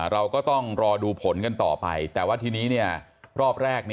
เราก็ต้องรอดูผลกันต่อไปแต่ว่าทีนี้รอบแรก